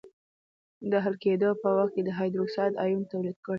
د حل کېدو په وخت د هایدروکساید آیون تولید کړي.